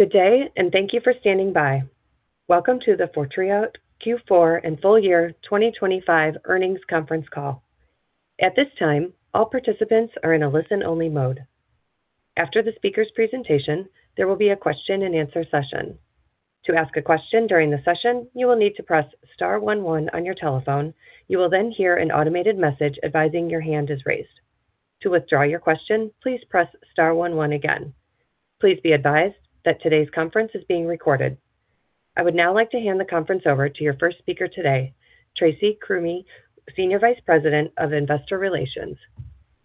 Good day. Thank you for standing by. Welcome to the Fortrea Q4 and full year 2025 earnings conference call. At this time, all participants are in a listen-only mode. After the speaker's presentation, there will be a question-and-answer session. To ask a question during the session, you will need to press star one one on your telephone. You will hear an automated message advising your hand is raised. To withdraw your question, please press star one one again. Please be advised that today's conference is being recorded. I would now like to hand the conference over to your first speaker today, Tracy Krumme, Senior Vice President of Investor Relations.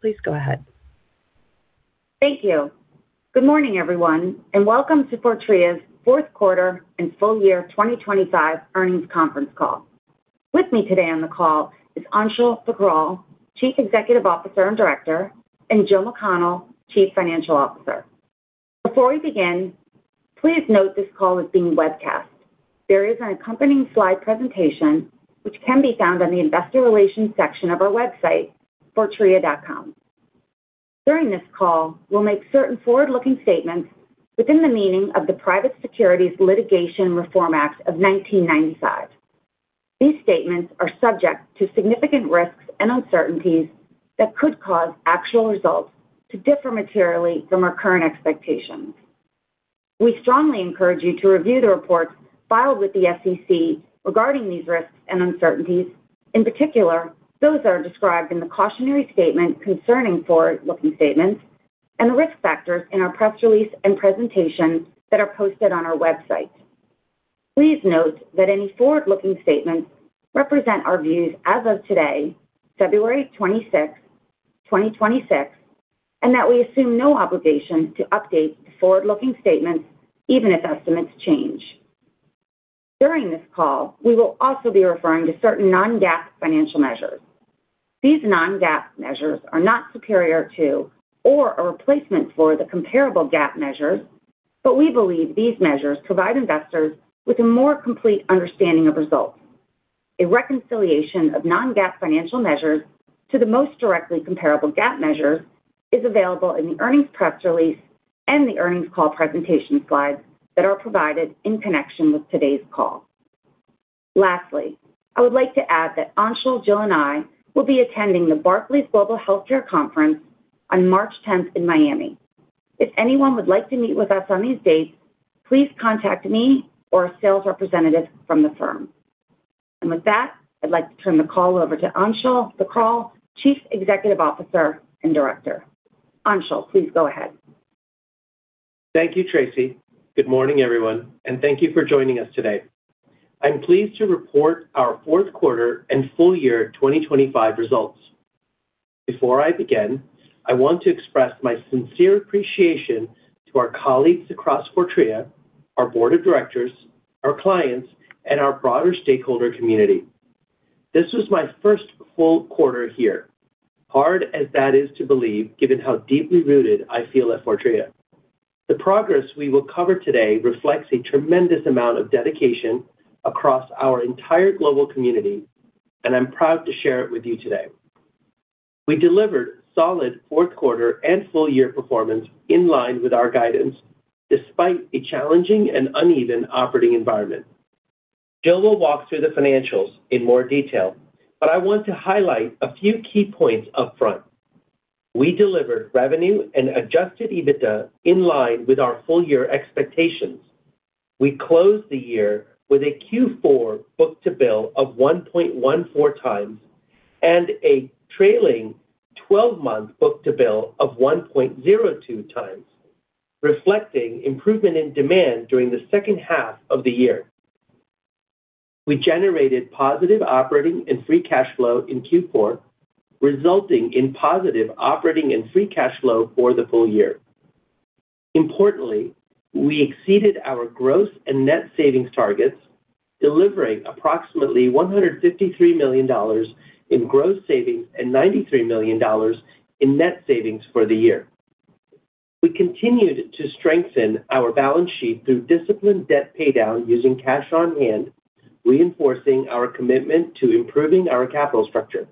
Please go ahead. Thank you. Good morning, everyone, and welcome to Fortrea's fourth quarter and full year 2025 earnings conference call. With me today on the call is Anshul Thakral, Chief Executive Officer and Director, and Jill McConnell, Chief Financial Officer. Before we begin, please note this call is being webcast. There is an accompanying slide presentation which can be found on the Investor Relations section of our website, fortrea.com. During this call, we'll make certain forward-looking statements within the meaning of the Private Securities Litigation Reform Act of 1995. These statements are subject to significant risks and uncertainties that could cause actual results to differ materially from our current expectations. We strongly encourage you to review the reports filed with the SEC regarding these risks and uncertainties. In particular, those that are described in the cautionary statement concerning forward-looking statements and risk factors in our press release and presentations that are posted on our website. Please note that any forward-looking statements represent our views as of today, February 26th, 2026, and that we assume no obligation to update the forward-looking statements even if estimates change. During this call, we will also be referring to certain non-GAAP financial measures. These non-GAAP measures are not superior to or a replacement for the comparable GAAP measures, but we believe these measures provide investors with a more complete understanding of results. A reconciliation of non-GAAP financial measures to the most directly comparable GAAP measures is available in the earnings press release and the earnings call presentation slides that are provided in connection with today's call. Lastly, I would like to add that Anshul, Jill, and I will be attending the Barclays Global Healthcare Conference on March 10 in Miami. If anyone would like to meet with us on these dates, please contact me or a sales representative from the firm. With that, I'd like to turn the call over to Anshul Thakral, Chief Executive Officer and Director. Anshul, please go ahead. Thank you, Tracy. Good morning, everyone, thank you for joining us today. I'm pleased to report our fourth quarter and full year 2025 results. Before I begin, I want to express my sincere appreciation to our colleagues across Fortrea, our board of directors, our clients, and our broader stakeholder community. This was my first full quarter here, hard as that is to believe, given how deeply rooted I feel at Fortrea. The progress we will cover today reflects a tremendous amount of dedication across our entire global community, I'm proud to share it with you today. We delivered solid fourth quarter and full year performance in line with our guidance, despite a challenging and uneven operating environment. Jill will walk through the financials in more detail, I want to highlight a few key points upfront. We delivered revenue and Adjusted EBITDA in line with our full year expectations. We closed the year with a Q4 book-to-bill of 1.14x and a trailing twelve-month book-to-bill of 1.02x, reflecting improvement in demand during the second half of the year. We generated positive operating and free cash flow in Q4, resulting in positive operating and free cash flow for the full year. Importantly, we exceeded our gross and net savings targets, delivering approximately $153 million in gross savings and $93 million in net savings for the year. We continued to strengthen our balance sheet through disciplined debt paydown using cash on hand, reinforcing our commitment to improving our capital structure.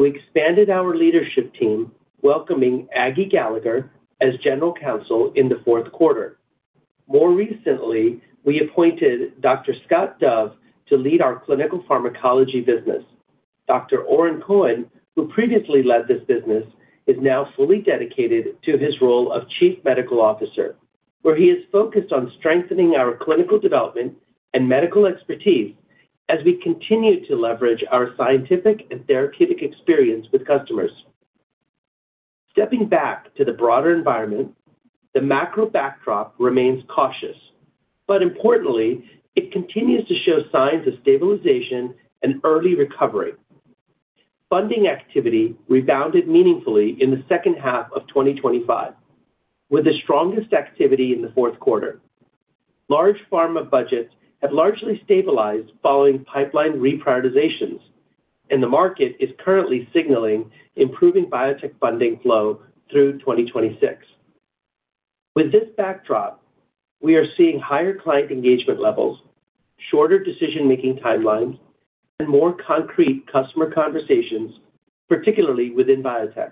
We expanded our leadership team, welcoming Aggie Gallagher as General Counsel in the fourth quarter. More recently, we appointed Dr. Scott Dove to lead our clinical pharmacology business. Dr. Oren Cohen, who previously led this business, is now fully dedicated to his role of Chief Medical Officer, where he is focused on strengthening our clinical development and medical expertise as we continue to leverage our scientific and therapeutic experience with customers. Stepping back to the broader environment, the macro backdrop remains cautious. Importantly, it continues to show signs of stabilization and early recovery. Funding activity rebounded meaningfully in the second half of 2025, with the strongest activity in the fourth quarter. Large pharma budgets have largely stabilized following pipeline reprioritizations. The market is currently signaling improving biotech funding flow through 2026. With this backdrop, we are seeing higher client engagement levels, shorter decision-making timelines, and more concrete customer conversations, particularly within biotech.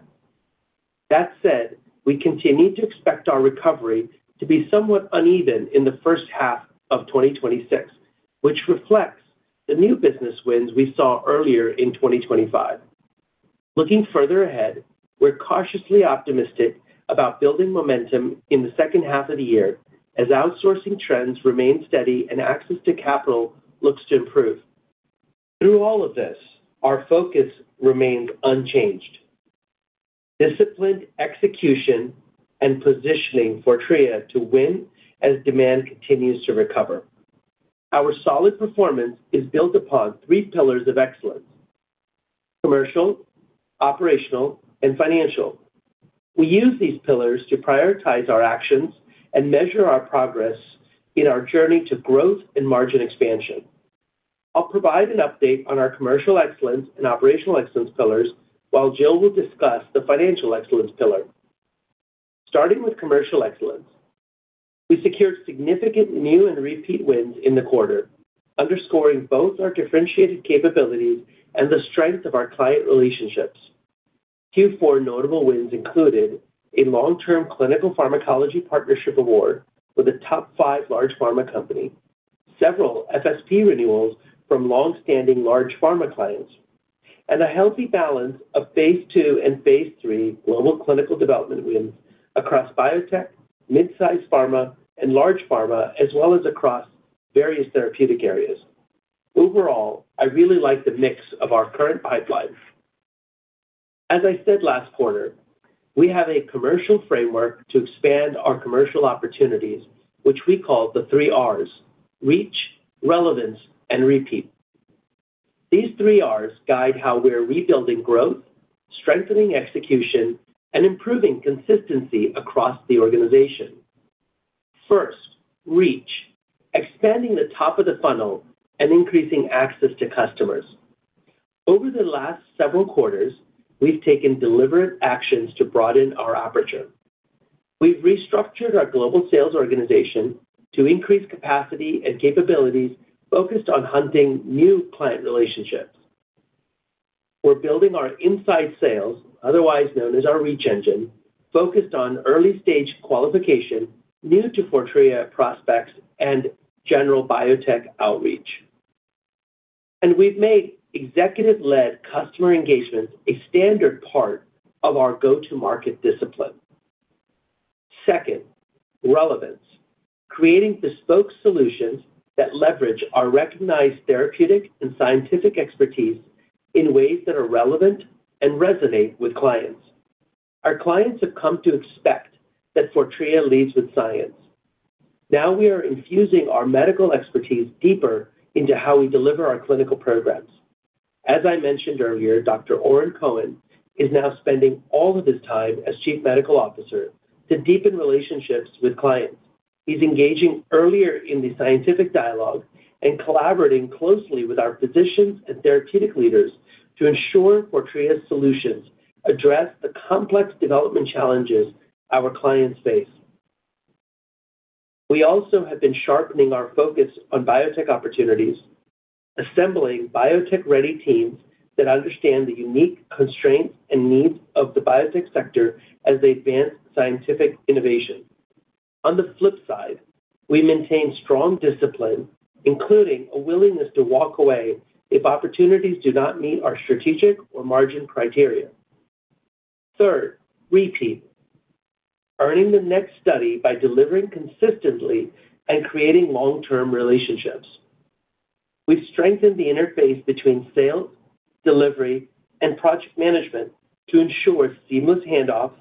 That said, we continue to expect our recovery to be somewhat uneven in the first half of 2026, which reflects the new business wins we saw earlier in 2025. Looking further ahead, we're cautiously optimistic about building momentum in the second half of the year as outsourcing trends remain steady and access to capital looks to improve. Through all of this, our focus remains unchanged: disciplined execution and positioning Fortrea to win as demand continues to recover. Our solid performance is built upon three pillars of excellence: commercial, operational, and financial. We use these pillars to prioritize our actions and measure our progress in our journey to growth and margin expansion. I'll provide an update on our commercial excellence and operational excellence pillars, while Jill will discuss the financial excellence pillar. Starting with commercial excellence, we secured significant new and repeat wins in the quarter, underscoring both our differentiated capabilities and the strength of our client relationships. Q4 notable wins included a long-term clinical pharmacology partnership award with a top five large pharma company, several FSP renewals from long-standing large pharma clients, and a healthy balance of phase II and phase III global clinical development wins across biotech, mid-size pharma, and large pharma, as well as across various therapeutic areas. Overall, I really like the mix of our current pipeline. As I said last quarter, we have a commercial framework to expand our commercial opportunities, which we call the three Rs: Reach, Relevance, and Repeat. These three Rs guide how we are rebuilding growth, strengthening execution, and improving consistency across the organization. First, reach, expanding the top of the funnel and increasing access to customers. Over the last several quarters, we've taken deliberate actions to broaden our aperture. We've restructured our global sales organization to increase capacity and capabilities focused on hunting new client relationships. We're building our inside sales, otherwise known as our reach engine, focused on early-stage qualification, new to Fortrea prospects, and general biotech outreach. We've made executive-led customer engagements a standard part of our go-to-market discipline. Second, relevance, creating bespoke solutions that leverage our recognized therapeutic and scientific expertise in ways that are relevant and resonate with clients. Our clients have come to expect that Fortrea leads with science. Now we are infusing our medical expertise deeper into how we deliver our clinical programs. As I mentioned earlier, Dr. Oren Cohen is now spending all of his time as Chief Medical Officer to deepen relationships with clients. He's engaging earlier in the scientific dialogue and collaborating closely with our physicians and therapeutic leaders to ensure Fortrea's solutions address the complex development challenges our clients face. We also have been sharpening our focus on biotech opportunities, assembling biotech-ready teams that understand the unique constraints and needs of the biotech sector as they advance scientific innovation. On the flip side, we maintain strong discipline, including a willingness to walk away if opportunities do not meet our strategic or margin criteria. Third, repeat, earning the next study by delivering consistently and creating long-term relationships. We've strengthened the interface between sales, delivery, and project management to ensure seamless handoffs,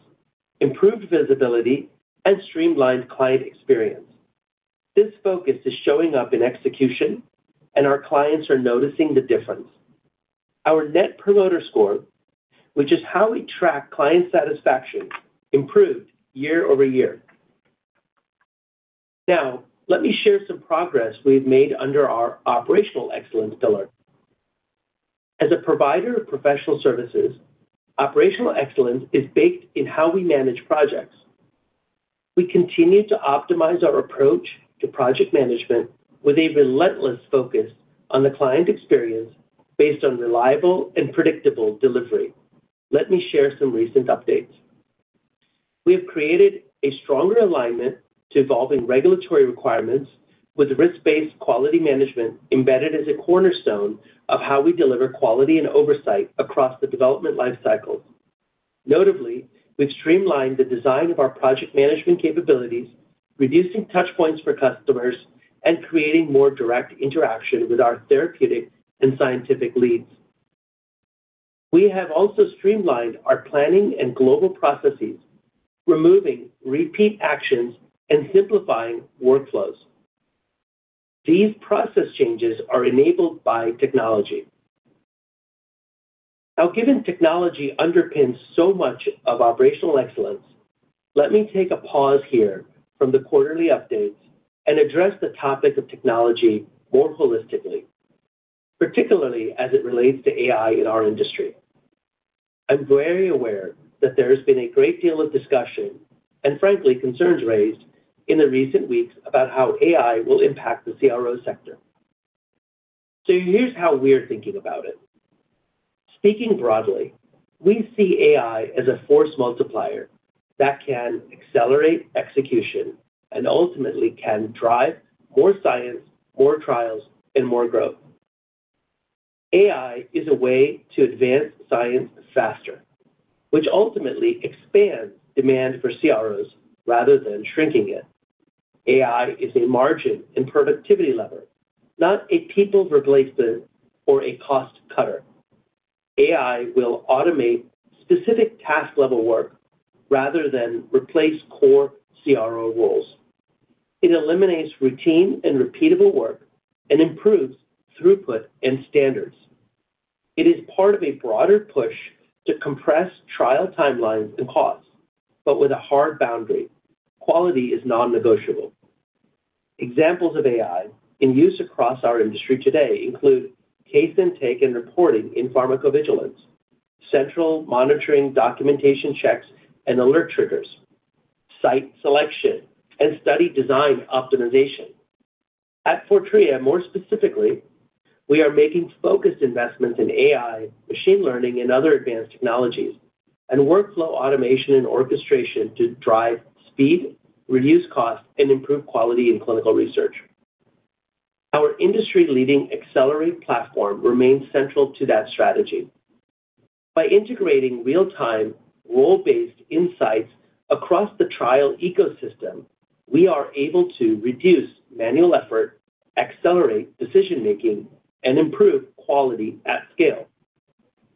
improved visibility, and streamlined client experience. This focus is showing up in execution, and our clients are noticing the difference. Our Net Promoter Score, which is how we track client satisfaction, improved year-over-year. Now, let me share some progress we've made under our operational excellence pillar. As a provider of professional services, operational excellence is baked in how we manage projects. We continue to optimize our approach to project management with a relentless focus on the client experience based on reliable and predictable delivery. Let me share some recent updates. We have created a stronger alignment to evolving regulatory requirements with risk-based quality management embedded as a cornerstone of how we deliver quality and oversight across the development lifecycle. Notably, we've streamlined the design of our project management capabilities, reducing touch points for customers, and creating more direct interaction with our therapeutic and scientific leads. We have also streamlined our planning and global processes, removing repeat actions and simplifying workflows. These process changes are enabled by technology. Given technology underpins so much of operational excellence, let me take a pause here from the quarterly updates and address the topic of technology more holistically, particularly as it relates to AI in our industry. I'm very aware that there has been a great deal of discussion and frankly, concerns raised in the recent weeks about how AI will impact the CRO sector. Here's how we're thinking about it. Speaking broadly, we see AI as a force multiplier that can accelerate execution and ultimately can drive more science, more trials, and more growth. AI is a way to advance science faster, which ultimately expands demand for CROs rather than shrinking it. AI is a margin and productivity lever, not a people replacement or a cost cutter. AI will automate specific task-level work rather than replace core CRO roles. It eliminates routine and repeatable work and improves throughput and standards. It is part of a broader push to compress trial timelines and costs, but with a hard boundary. Quality is non-negotiable. Examples of AI in use across our industry today include case intake and reporting in pharmacovigilance, central monitoring, documentation checks and alert triggers, site selection, and study design optimization. At Fortrea, more specifically, we are making focused investments in AI, machine learning, and other advanced technologies, and workflow automation and orchestration to drive speed, reduce costs, and improve quality in clinical research. Our industry-leading Accelerate platform remains central to that strategy. By integrating real-time, role-based insights across the trial ecosystem, we are able to reduce manual effort, accelerate decision-making, and improve quality at scale.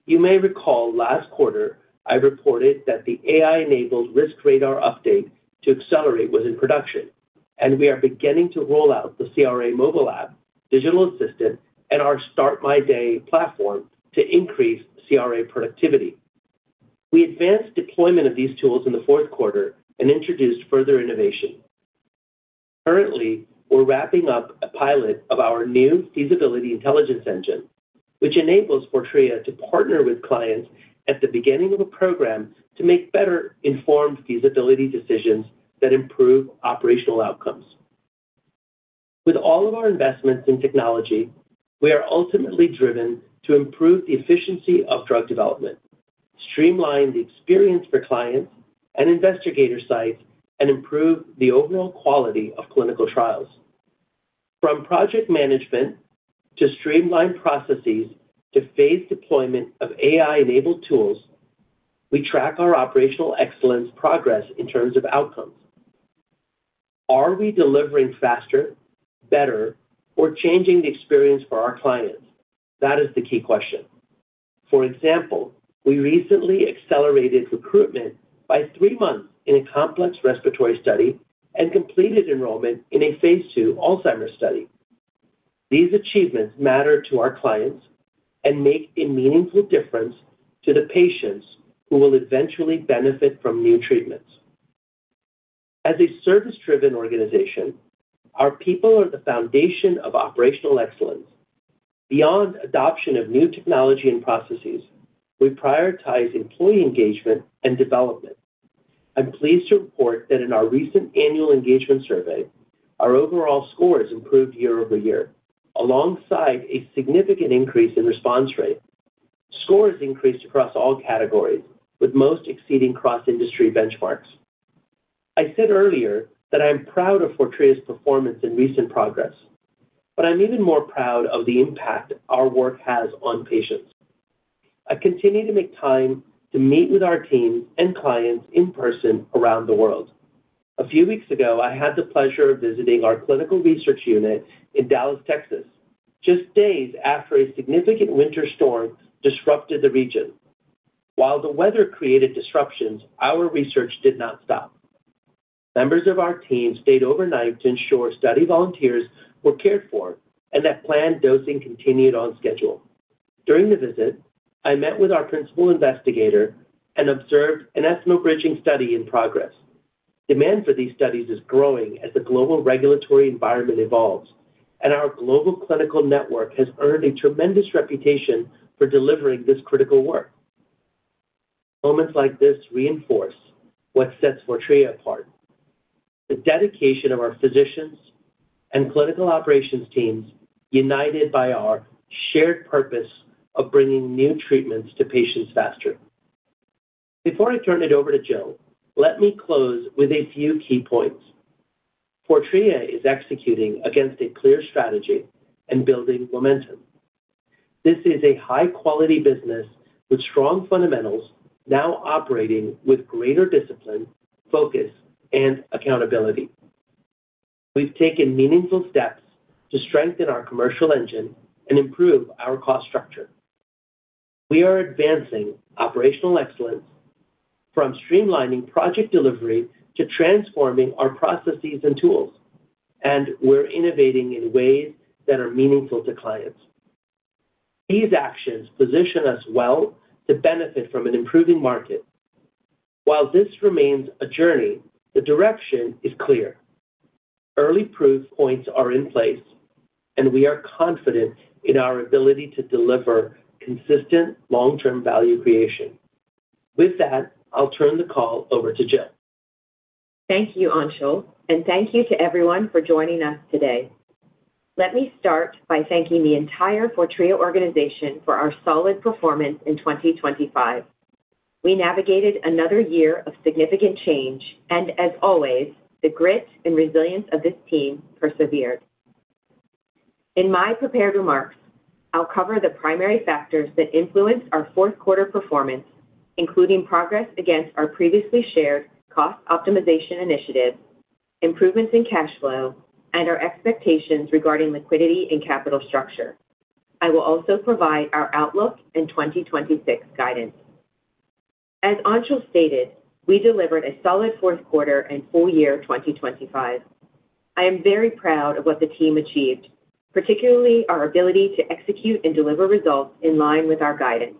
You may recall last quarter I reported that the AI-enabled Risk Radar update to Accelerate was in production, and we are beginning to roll out the CRA Mobile App, digital assistant, and our Start My Day platform to increase CRA productivity. We advanced deployment of these tools in the fourth quarter and introduced further innovation. Currently, we're wrapping up a pilot of our new Feasibility Intelligence Engine, which enables Fortrea to partner with clients at the beginning of a program to make better informed feasibility decisions that improve operational outcomes. With all of our investments in technology, we are ultimately driven to improve the efficiency of drug development, streamline the experience for clients and investigator sites, and improve the overall quality of clinical trials. From project management to streamlined processes to phase deployment of AI-enabled tools, we track our operational excellence progress in terms of outcomes. Are we delivering faster, better, or changing the experience for our clients? That is the key question. For example, we recently accelerated recruitment by three months in a complex respiratory study and completed enrollment in a phase II Alzheimer's study. These achievements matter to our clients and make a meaningful difference to the patients who will eventually benefit from new treatments. As a service-driven organization, our people are the foundation of operational excellence. Beyond adoption of new technology and processes, we prioritize employee engagement and development. I'm pleased to report that in our recent annual engagement survey, our overall scores improved year-over-year, alongside a significant increase in response rate. Scores increased across all categories, with most exceeding cross-industry benchmarks. I said earlier that I am proud of Fortrea's performance and recent progress, but I'm even more proud of the impact our work has on patients. I continue to make time to meet with our teams and clients in person around the world. A few weeks ago, I had the pleasure of visiting our clinical research unit in Dallas, Texas, just days after a significant winter storm disrupted the region. While the weather created disruptions, our research did not stop. Members of our team stayed overnight to ensure study volunteers were cared for and that planned dosing continued on schedule. During the visit, I met with our principal investigator and observed an ethno-bridging study in progress. Demand for these studies is growing as the global regulatory environment evolves. Our global clinical network has earned a tremendous reputation for delivering this critical work. Moments like this reinforce what sets Fortrea apart. The dedication of our physicians and clinical operations teams, united by our shared purpose of bringing new treatments to patients faster. Before I turn it over to Jill, let me close with a few key points. Fortrea is executing against a clear strategy and building momentum. This is a high-quality business with strong fundamentals, now operating with greater discipline, focus, and accountability. We've taken meaningful steps to strengthen our commercial engine and improve our cost structure. We are advancing operational excellence, from streamlining project delivery to transforming our processes and tools, and we're innovating in ways that are meaningful to clients. These actions position us well to benefit from an improving market. While this remains a journey, the direction is clear. Early proof points are in place, and we are confident in our ability to deliver consistent long-term value creation. With that, I'll turn the call over to Jill. Thank you, Anshul, and thank you to everyone for joining us today. Let me start by thanking the entire Fortrea organization for our solid performance in 2025. We navigated another year of significant change, and as always, the grit and resilience of this team persevered. In my prepared remarks, I'll cover the primary factors that influenced our fourth quarter performance, including progress against our previously shared cost optimization initiatives, improvements in cash flow, and our expectations regarding liquidity and capital structure. I will also provide our outlook in 2026 guidance. As Anshul stated, we delivered a solid fourth quarter and full year 2025. I am very proud of what the team achieved, particularly our ability to execute and deliver results in line with our guidance.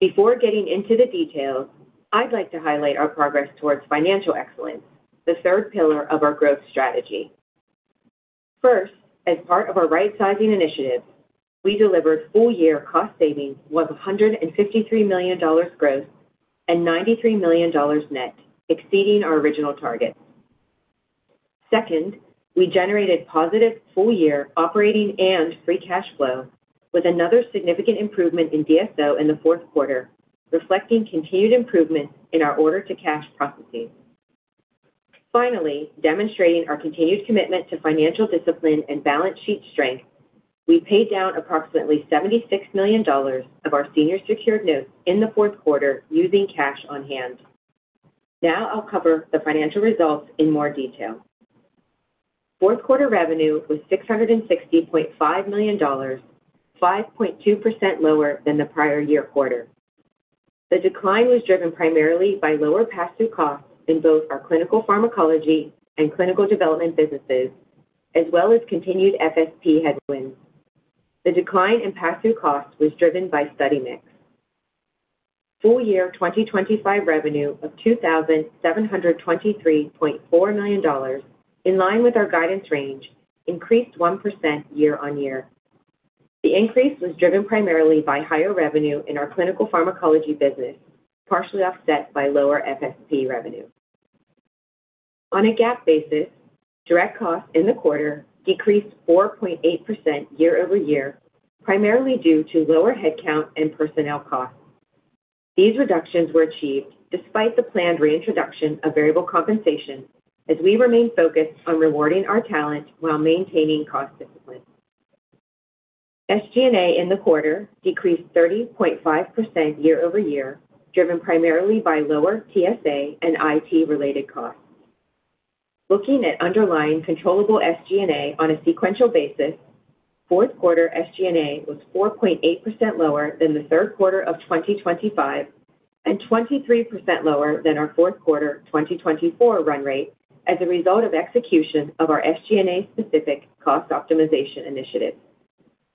Before getting into the details, I'd like to highlight our progress towards financial excellence, the third pillar of our growth strategy. First, as part of our rightsizing initiative, we delivered full-year cost savings of $153 million gross and $93 million net, exceeding our original target. Second, we generated positive full-year operating and free cash flow, with another significant improvement in DSO in the fourth quarter, reflecting continued improvement in our order to cash processes. Finally, demonstrating our continued commitment to financial discipline and balance sheet strength, we paid down approximately $76 million of our senior secured notes in the fourth quarter using cash on hand. I'll cover the financial results in more detail. Fourth quarter revenue was $660.5 million, 5.2% lower than the prior year quarter. The decline was driven primarily by lower pass-through costs in both our clinical pharmacology and clinical development businesses, as well as continued FSP headwinds. The decline in pass-through costs was driven by study mix. Full year 2025 revenue of $2,723.4 million, in line with our guidance range, increased 1% year-over-year. The increase was driven primarily by higher revenue in our clinical pharmacology business, partially offset by lower FSP revenue. On a GAAP basis, direct costs in the quarter decreased 4.8% year-over-year, primarily due to lower headcount and personnel costs. These reductions were achieved despite the planned reintroduction of variable compensation, as we remain focused on rewarding our talent while maintaining cost discipline. SG&A in the quarter decreased 30.5% year-over-year, driven primarily by lower TSA and IT-related costs. Looking at underlying controllable SG&A on a sequential basis, fourth quarter SG&A was 4.8% lower than the third quarter of 2025, and 23% lower than our fourth quarter 2024 run rate as a result of execution of our SG&A-specific cost optimization initiative.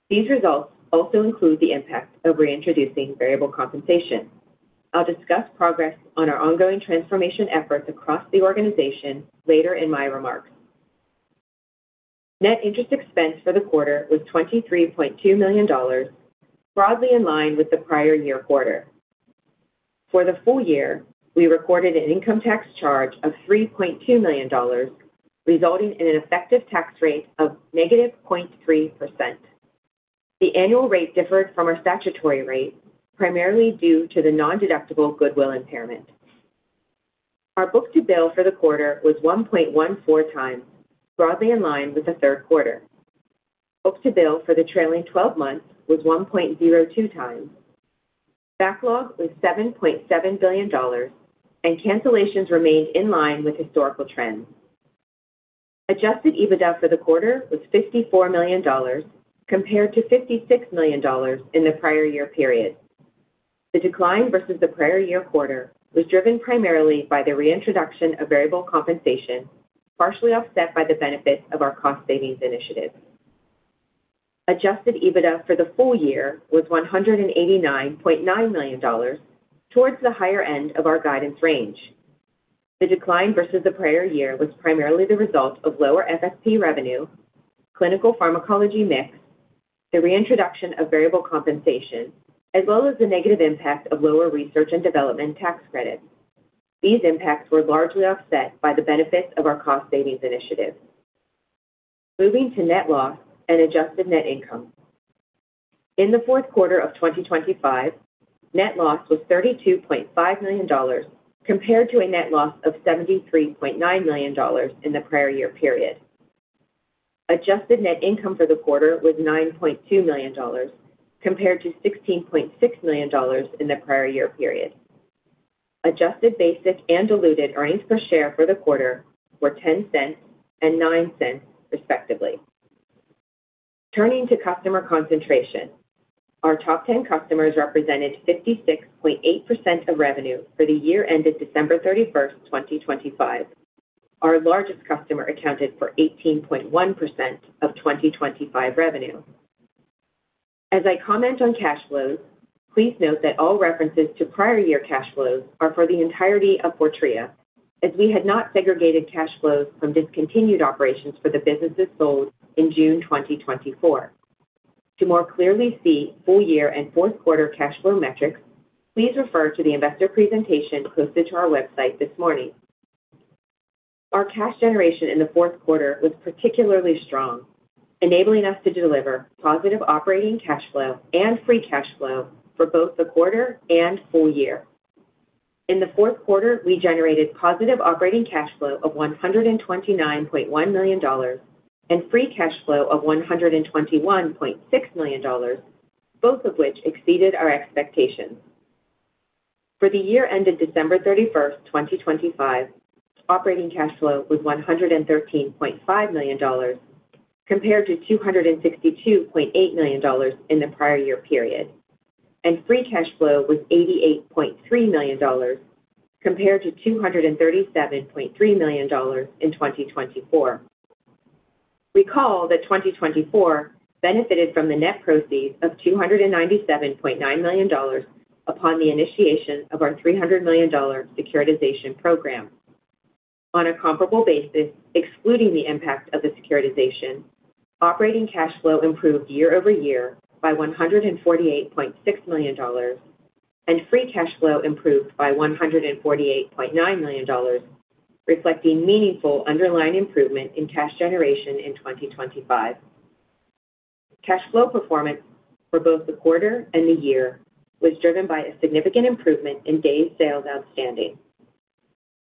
These results also include the impact of reintroducing variable compensation. I'll discuss progress on our ongoing transformation efforts across the organization later in my remarks. Net interest expense for the quarter was $23.2 million, broadly in line with the prior year quarter. For the full year, we recorded an income tax charge of $3.2 million, resulting in an effective tax rate of -0.3%. The annual rate differed from our statutory rate, primarily due to the nondeductible goodwill impairment. Our book-to-bill for the quarter was 1.14x, broadly in line with the third quarter. Book-to-bill for the trailing 12 months was 1.02x. Backlog was $7.7 billion. Cancellations remained in line with historical trends. Adjusted EBITDA for the quarter was $54 million, compared to $56 million in the prior year period. The decline versus the prior year quarter was driven primarily by the reintroduction of variable compensation, partially offset by the benefits of our cost savings initiatives. Adjusted EBITDA for the full year was $189.9 million, towards the higher end of our guidance range. The decline versus the prior year was primarily the result of lower FSP revenue, clinical pharmacology mix, the reintroduction of variable compensation, as well as the negative impact of lower research and development tax credits. These impacts were largely offset by the benefits of our cost savings initiatives. Moving to net loss and adjusted net income. In the fourth quarter of 2025, net loss was $32.5 million, compared to a net loss of $73.9 million in the prior year period. Adjusted net income for the quarter was $9.2 million, compared to $16.6 million in the prior year period. Adjusted basic and diluted earnings per share for the quarter were $0.10 and $0.09, respectively. Turning to customer concentration. Our top 10 customers represented 56.8% of revenue for the year ended December 31st, 2025. Our largest customer accounted for 18.1% of 2025 revenue.... As I comment on cash flows, please note that all references to prior year cash flows are for the entirety of Fortrea, as we had not segregated cash flows from discontinued operations for the businesses sold in June 2024. To more clearly see full year and fourth quarter cash flow metrics, please refer to the investor presentation posted to our website this morning. Our cash generation in the fourth quarter was particularly strong, enabling us to deliver positive operating cash flow and free cash flow for both the quarter and full year. In the fourth quarter, we generated positive operating cash flow of $129.1 million and free cash flow of $121.6 million, both of which exceeded our expectations. For the year ended December 31st, 2025, operating cash flow was $113.5 million, compared to $262.8 million in the prior year period, and free cash flow was $88.3 million, compared to $237.3 million in 2024. Recall that 2024 benefited from the net proceeds of $297.9 million upon the initiation of our $300 million securitization program. On a comparable basis, excluding the impact of the securitization, operating cash flow improved year-over-year by $148.6 million, and free cash flow improved by $148.9 million, reflecting meaningful underlying improvement in cash generation in 2025. Cash flow performance for both the quarter and the year was driven by a significant improvement in days sales outstanding.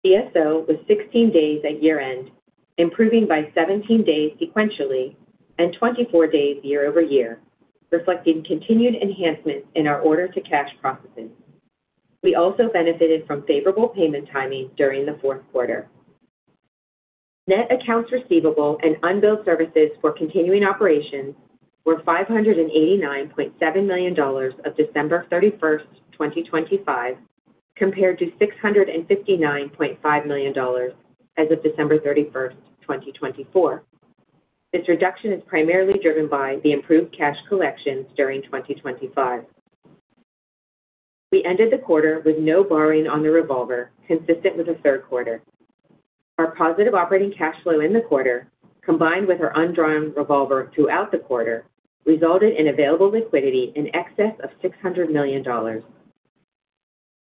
DSO was 16 days at year-end, improving by 17 days sequentially and 24 days year-over-year, reflecting continued enhancements in our order to cash processes. We also benefited from favorable payment timing during the fourth quarter. Net accounts receivable and unbilled services for continuing operations were $589.7 million of December 31st, 2025, compared to $659.5 million as of December 31st, 2024. This reduction is primarily driven by the improved cash collections during 2025. We ended the quarter with no borrowing on the revolver, consistent with the third quarter. Our positive operating cash flow in the quarter, combined with our undrawn revolver throughout the quarter, resulted in available liquidity in excess of $600 million.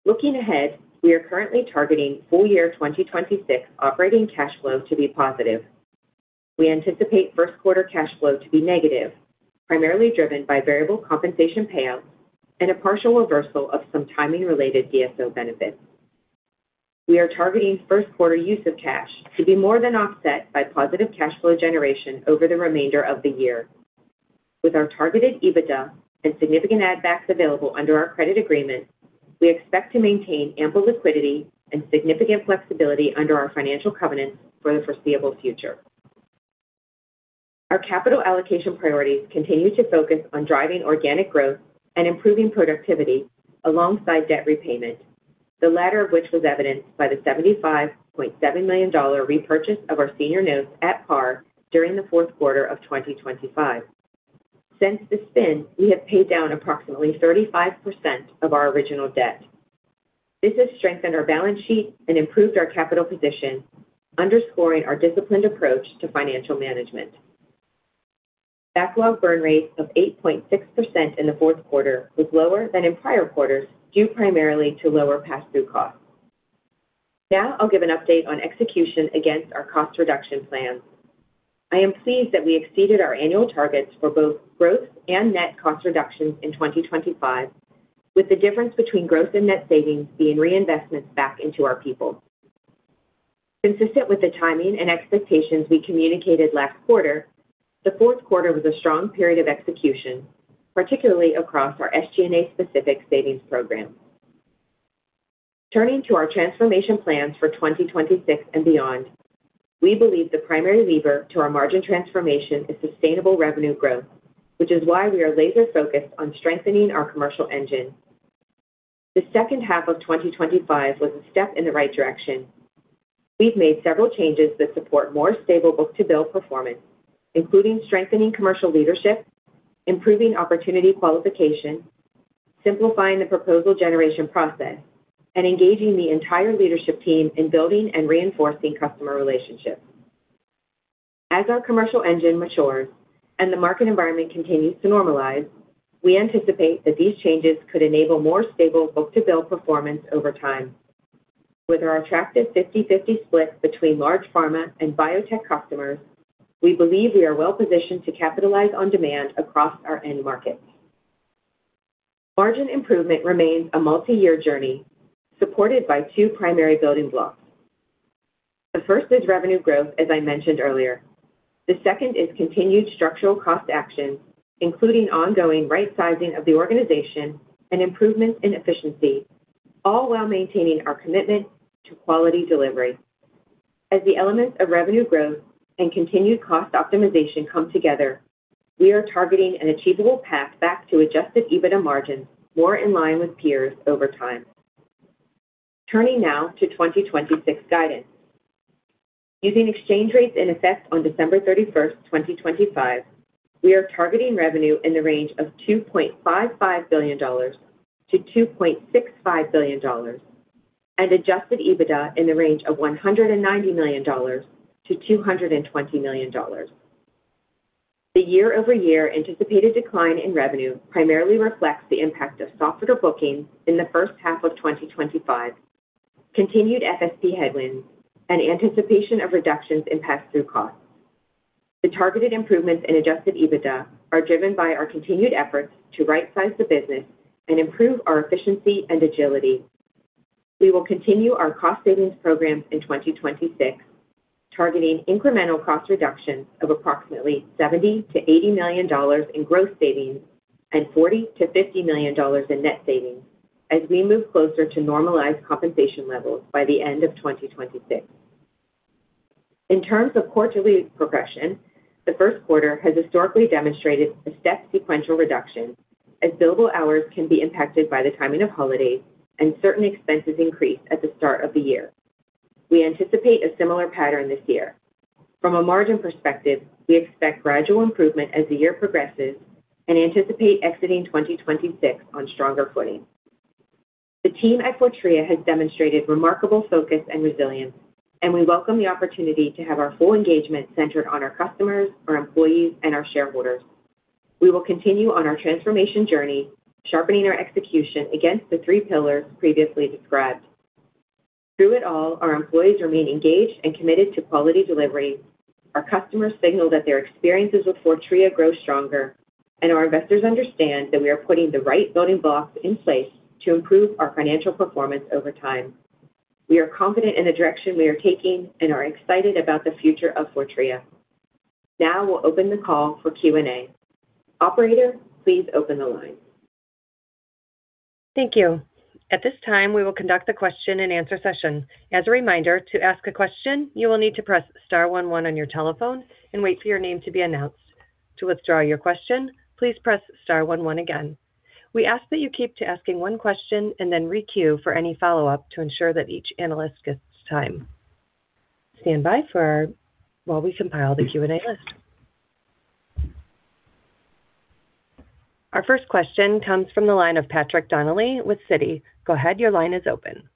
Looking ahead, we are currently targeting full year 2026 operating cash flow to be positive. We anticipate first quarter cash flow to be negative, primarily driven by variable compensation payouts and a partial reversal of some timing-related DSO benefits. We are targeting first quarter use of cash to be more than offset by positive cash flow generation over the remainder of the year. With our targeted EBITDA and significant add backs available under our credit agreement, we expect to maintain ample liquidity and significant flexibility under our financial covenants for the foreseeable future. Our capital allocation priorities continue to focus on driving organic growth and improving productivity alongside debt repayment, the latter of which was evidenced by the $75.7 million repurchase of our senior notes at par during the fourth quarter of 2025. Since the spin, we have paid down approximately 35% of our original debt. This has strengthened our balance sheet and improved our capital position, underscoring our disciplined approach to financial management. Backlog burn rate of 8.6% in the fourth quarter was lower than in prior quarters, due primarily to lower pass-through costs. I'll give an update on execution against our cost reduction plans. I am pleased that I exceeded our annual targets for both growth and net cost reductions in 2025, with the difference between growth and net savings being reinvestments back into our people. Consistent with the timing and expectations we communicated last quarter, the fourth quarter was a strong period of execution, particularly across our SG&A specific savings program. Turning to our transformation plans for 2026 and beyond, we believe the primary lever to our margin transformation is sustainable revenue growth, which is why we are laser-focused on strengthening our commercial engine. The second half of 2025 was a step in the right direction. We've made several changes that support more stable book-to-bill performance, including strengthening commercial leadership, improving opportunity qualification, simplifying the proposal generation process, and engaging the entire leadership team in building and reinforcing customer relationships. As our commercial engine matures and the market environment continues to normalize, we anticipate that these changes could enable more stable book-to-bill performance over time. With our attractive 50/50 split between large pharma and biotech customers, we believe we are well positioned to capitalize on demand across our end markets. Margin improvement remains a multi-year journey, supported by two primary building blocks. The first is revenue growth, as I mentioned earlier. The second is continued structural cost actions, including ongoing right-sizing of the organization and improvements in efficiency, all while maintaining our commitment to quality delivery. As the elements of revenue growth and continued cost optimization come together, we are targeting an achievable path back to Adjusted EBITDA margins more in line with peers over time. Turning now to 2026 guidance. Using exchange rates in effect on December 31st, 2025, we are targeting revenue in the range of $2.55 billion-$2.65 billion and Adjusted EBITDA in the range of $190 million-$220 million. The year-over-year anticipated decline in revenue primarily reflects the impact of software bookings in the first half of 2025, continued FSP headwinds, and anticipation of reductions in pass-through costs. The targeted improvements in Adjusted EBITDA are driven by our continued efforts to rightsize the business and improve our efficiency and agility. We will continue our cost savings program in 2026, targeting incremental cost reductions of approximately $70 million-$80 million in gross savings and $40 million-$50 million in net savings as we move closer to normalized compensation levels by the end of 2026. In terms of quarterly progression, the first quarter has historically demonstrated a step sequential reduction, as billable hours can be impacted by the timing of holidays and certain expenses increase at the start of the year. We anticipate a similar pattern this year. From a margin perspective, we expect gradual improvement as the year progresses and anticipate exiting 2026 on stronger footing. The team at Fortrea has demonstrated remarkable focus and resilience. We welcome the opportunity to have our full engagement centered on our customers, our employees, and our shareholders. We will continue on our transformation journey, sharpening our execution against the three pillars previously described. Through it all, our employees remain engaged and committed to quality delivery, our customers signal that their experiences with Fortrea grow stronger, and our investors understand that we are putting the right building blocks in place to improve our financial performance over time. We are confident in the direction we are taking and are excited about the future of Fortrea. Now we'll open the call for Q&A. Operator, please open the line. Thank you. At this time, we will conduct the question-and-answer session. As a reminder, to ask a question, you will need to press star one one on your telephone and wait for your name to be announced. To withdraw your question, please press star one one again. We ask that you keep to asking one question and then re queue for any follow-up to ensure that each analyst gets time. Stand by while we compile the Q&A list. Our first question comes from the line of Patrick Donnelly with Citi. Go ahead, your line is open.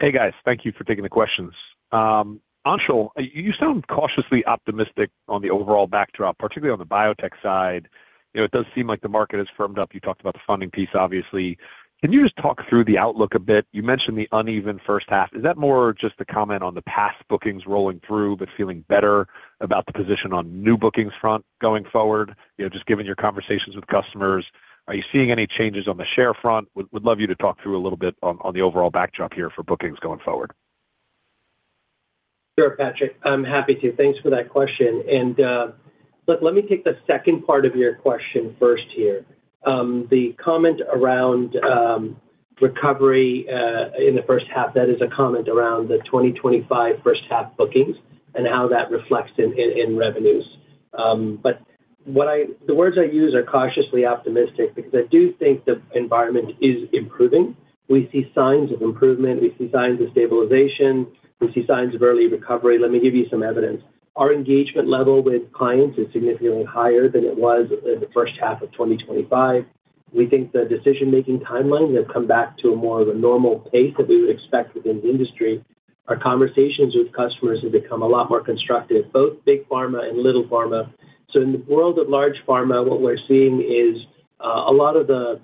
Hey, guys. Thank you for taking the questions. Anshul, you sound cautiously optimistic on the overall backdrop, particularly on the biotech side. You know, it does seem like the market has firmed up. You talked about the funding piece, obviously. Can you just talk through the outlook a bit? You mentioned the uneven first half. Is that more just a comment on the past bookings rolling through, but feeling better about the position on new bookings front going forward? You know, just given your conversations with customers, are you seeing any changes on the share front? Would love you to talk through a little bit on the overall backdrop here for bookings going forward. Sure, Patrick, I'm happy to. Thanks for that question. Look, let me take the second part of your question first here. The comment around recovery in the first half, that is a comment around the 2025 first half bookings and how that reflects in revenues. The words I use are cautiously optimistic because I do think the environment is improving. We see signs of improvement, we see signs of stabilization, we see signs of early recovery. Let me give you some evidence. Our engagement level with clients is significantly higher than it was in the first half of 2025. We think the decision-making timelines have come back to more of a normal pace that we would expect within the industry. Our conversations with customers have become a lot more constructive, both big pharma and little pharma. In the world of large pharma, what we're seeing is a lot of the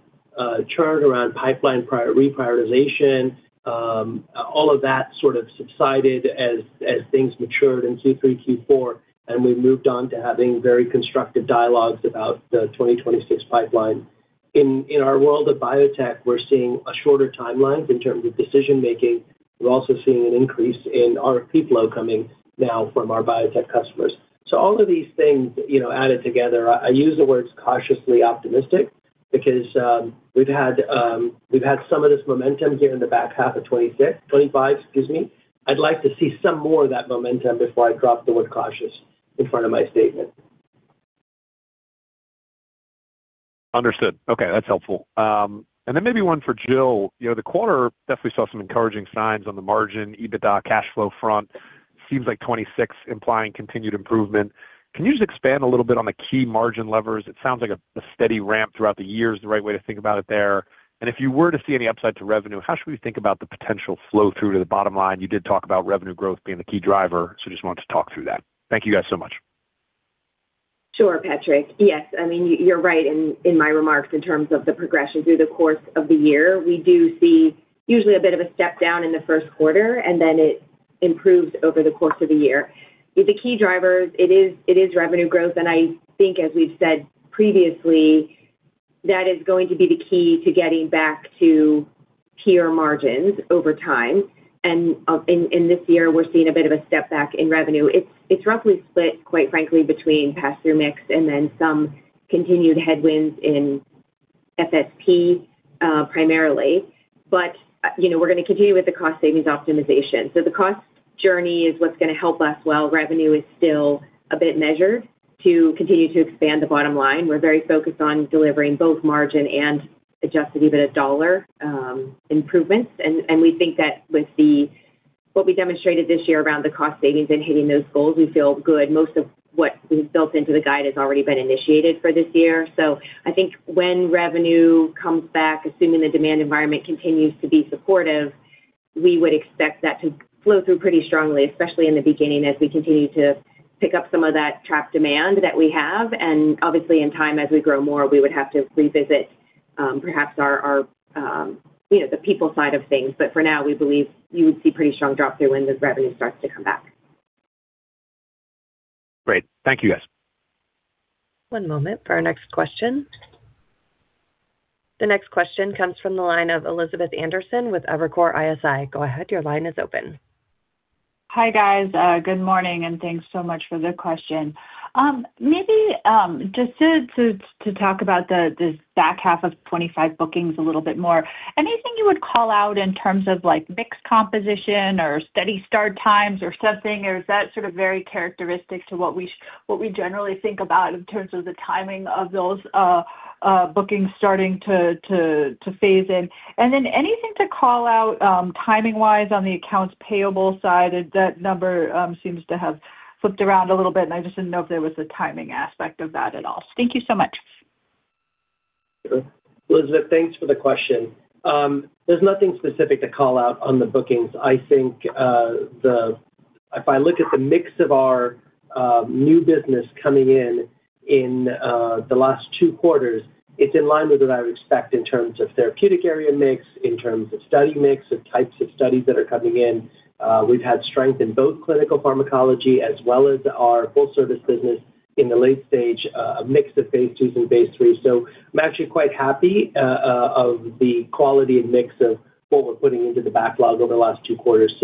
churn around pipeline reprioritization, all of that sort of subsided as things matured in Q3, Q4, and we've moved on to having very constructive dialogues about the 2026 pipeline. In our world of biotech, we're seeing a shorter timeline in terms of decision making. We're also seeing an increase in RFP flow coming now from our biotech customers. All of these things, you know, added together, I use the words cautiously optimistic because we've had some of this momentum here in the back half of 2025, excuse me. I'd like to see some more of that momentum before I drop the word cautious in front of my statement. Understood. Okay, that's helpful. Then maybe one for Jill, the quarter definitely saw some encouraging signs on the margin. EBITDA, cash flow front seems like 2026 implying continued improvement. Can you just expand a little bit on the key margin levers? It sounds like a steady ramp throughout the year is the right way to think about it there. If you were to see any upside to revenue, how should we think about the potential flow through to the bottom line? You did talk about revenue growth being the key driver, just wanted to talk through that. Thank you, guys, so much. Sure, Patrick. Yes, I mean, you're right in my remarks in terms of the progression through the course of the year. We do see usually a bit of a step down in the first quarter, and then it improves over the course of the year. The key drivers, it is revenue growth, and I think, as we've said previously, that is going to be the key to getting back to peer margins over time. In this year, we're seeing a bit of a step back in revenue. It's, it's roughly split, quite frankly, between pass-through mix and then some continued headwinds in FSP, primarily. You know, we're gonna continue with the cost savings optimization. The cost journey is what's gonna help us, while revenue is still a bit measured to continue to expand the bottom line. We're very focused on delivering both margin and Adjusted EBITDA dollar improvements. We think that with the, what we demonstrated this year around the cost savings and hitting those goals, we feel good. Most of what we've built into the guide has already been initiated for this year. I think when revenue comes back, assuming the demand environment continues to be supportive, we would expect that to flow through pretty strongly, especially in the beginning, as we continue to pick up some of that trapped demand that we have. Obviously, in time, as we grow more, we would have to revisit, perhaps our, you know, the people side of things. For now, we believe you would see pretty strong drop-through when the revenue starts to come back. Great. Thank you, guys. One moment for our next question. The next question comes from the line of Elizabeth Anderson with Evercore ISI. Go ahead, your line is open. Hi, guys. Good morning, and thanks so much for the question. Maybe just to talk about this back half of 25 bookings a little bit more. Anything you would call out in terms of, like, mix composition or study start times or something, or is that sort of very characteristic to what we generally think about in terms of the timing of those bookings starting to phase in? Anything to call out timing-wise on the accounts payable side? That number seems to have flipped around a little bit, and I just didn't know if there was a timing aspect of that at all. Thank you so much. Elizabeth, thanks for the question. There's nothing specific to call out on the bookings. I think, if I look at the mix of our new business coming in, the last two quarters, it's in line with what I would expect in terms of therapeutic area mix, in terms of study mix, the types of studies that are coming in. We've had strength in both clinical pharmacology as well as our full service business in the late stage, a mix of phase IIs and phase III. I'm actually quite happy, of the quality and mix of what we're putting into the backlog over the last two quarters.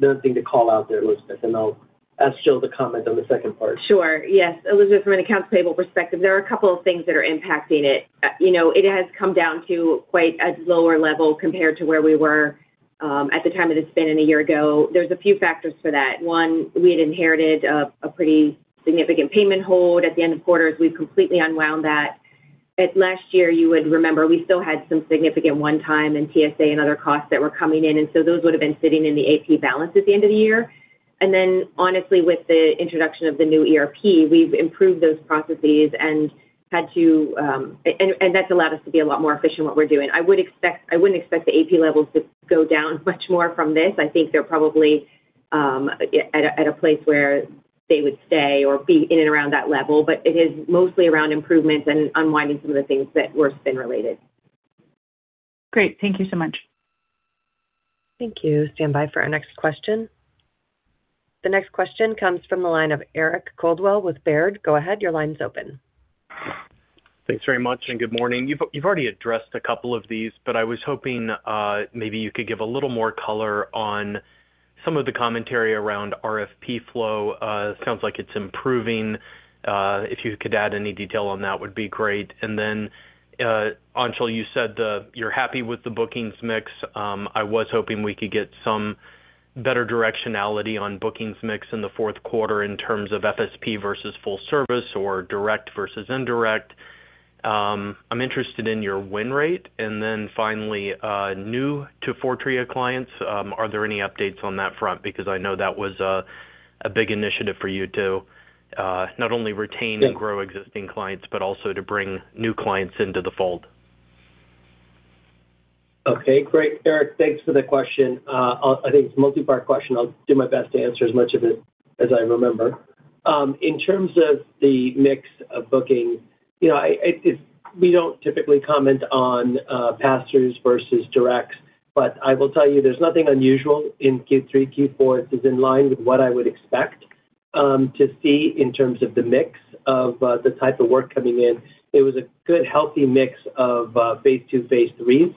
Nothing to call out there, Elizabeth, and I'll ask Jill to comment on the second part. Sure. Yes, Elizabeth, from an accounts payable perspective, there are a couple of things that are impacting it. You know, it has come down to quite a lower level compared to where we were at the time of the spin in a year ago. There's a few factors for that. One, we had inherited a pretty significant payment hold at the end of quarters. We've completely unwound that. At last year, you would remember, we still had some significant one-time and TSA and other costs that were coming in. Those would've been sitting in the AP balance at the end of the year. Honestly, with the introduction of the new ERP, we've improved those processes. That's allowed us to be a lot more efficient in what we're doing. I wouldn't expect the AP levels to go down much more from this. I think they're probably at a place where they would stay or be in and around that level, but it is mostly around improvements and unwinding some of the things that were spin related. Great. Thank you so much. Thank you. Stand by for our next question. The next question comes from the line of Eric Coldwell with Baird. Go ahead, your line's open. Thanks very much, and good morning. You've already addressed a couple of these, but I was hoping maybe you could give a little more color on some of the commentary around RFP flow. It sounds like it's improving. If you could add any detail on that, would be great. Then Anshul, you said, you're happy with the bookings mix. I was hoping we could get some better directionality on bookings mix in the fourth quarter in terms of FSP versus full service or direct versus indirect. I'm interested in your win rate. Then finally, new to Fortrea clients, are there any updates on that front? Because I know that was a big initiative for you to not only retain- Yeah... and grow existing clients, but also to bring new clients into the fold. Okay, great, Eric. Thanks for the question. I think it's a multi-part question. I'll do my best to answer as much of it as I remember. In terms of the mix of booking, you know, we don't typically comment on pass-throughs versus direct. I will tell you, there's nothing unusual in Q3, Q4. It is in line with what I would expect to see in terms of the mix of the type of work coming in. It was a good, healthy mix of phase II, phase III,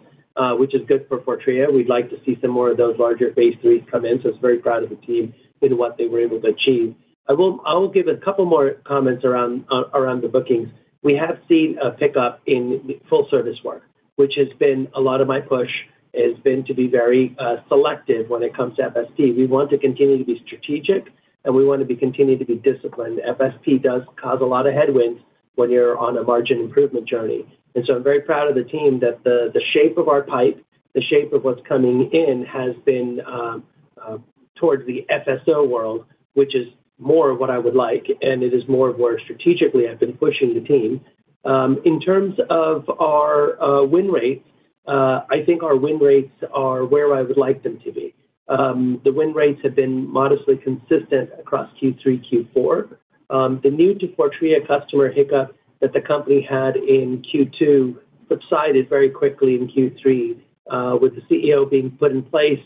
which is good for Fortrea. We'd like to see some more of those larger phase IIIs come in. I was very proud of the team and what they were able to achieve. I will give a couple more comments around the bookings. We have seen a pickup in full service work, which has been a lot of my push, has been to be very selective when it comes to FSP. We want to continue to be strategic, and we want to continue to be disciplined. FSP does cause a lot of headwinds when you're on a margin improvement journey. I'm very proud of the team that the shape of our pipe, the shape of what's coming in, has been towards the FSO world, which is more of what I would like, and it is more of where strategically I've been pushing the team. In terms of our win rates, I think our win rates are where I would like them to be. The win rates have been modestly consistent across Q3, Q4. The new to Fortrea customer hiccup that the company had in Q2 subsided very quickly in Q3 with the CEO being put in place.